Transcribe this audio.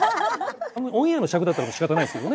オンエアの尺だったらしかたないですけどね。